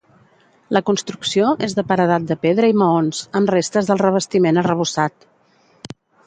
La construcció és de paredat de pedra i maons, amb restes del revestiment arrebossat.